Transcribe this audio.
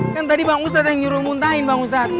kan tadi pak ustadz yang nyuruh muntahin pak ustadz